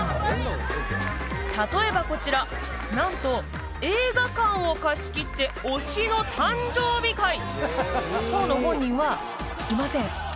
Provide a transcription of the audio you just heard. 例えばこちらなんと映画館を貸し切って推しの誕生日会当の本人はいません